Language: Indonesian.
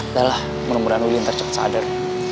udah lah mudah mudahan willy ntar cepet sadar